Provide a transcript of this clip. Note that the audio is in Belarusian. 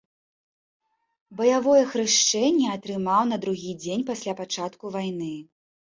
Баявое хрышчэнне атрымаў на другі дзень пасля пачатку вайны.